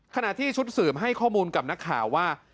ขณะที่ชุดสืบให้ข้อมูลกับนักข่าวว่า